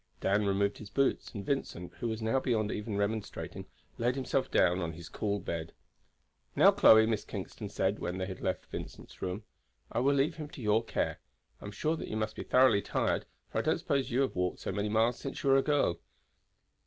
Dan removed his boots, and Vincent, who was now beyond even remonstrating, laid himself down on his cool bed. "Now, Chloe," Miss Kingston said when they had left Vincent's room, "I will leave him to your care. I am sure that you must be thoroughly tired, for I don't suppose you have walked so many miles since you were a girl."